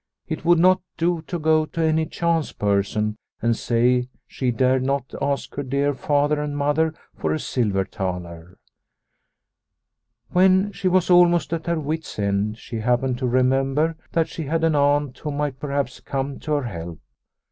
It would not do to go to any chance person and say she dared not ask dear Father and Mother for a silver thaler. When she was almost at her wit's end she happened to remember that she had an aunt who might perhaps come to her help.